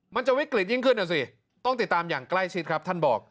มันจะวิกฤตยิ่งขึ้นนะสิต้องติดตามอย่างใกล้ชิดครับท่านบอก